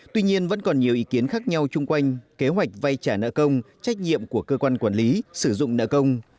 tuy nhiên vẫn còn nhiều ý kiến khác nhau chung quanh kế hoạch vay trả nợ công trách nhiệm của cơ quan quản lý sử dụng nợ công